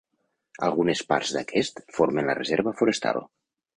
Algunes parts d'aquest formen la reserva forestal.